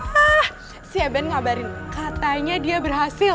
hah si aben ngabarin katanya dia berhasil